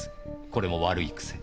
これも悪い癖。